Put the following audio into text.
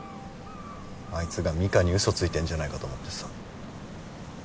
あいつがミカに嘘ついてんじゃないかと思ってさ。